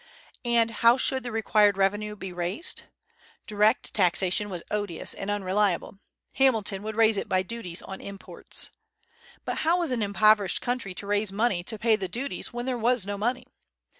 And how should the required revenue be raised? Direct taxation was odious and unreliable. Hamilton would raise it by duties on imports. But how was an impoverished country to raise money to pay the duties when there was no money?